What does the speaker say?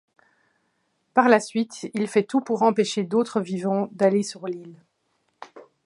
Par la suite, il fait tout pour empêcher d'autres vivants d'aller sur l'île.